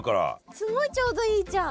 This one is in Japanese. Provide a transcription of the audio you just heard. すごいちょうどいいじゃん。